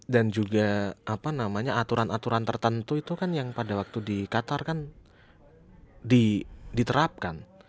dan juga apa namanya aturan aturan tertentu itu kan yang pada waktu di qatar kan diterapkan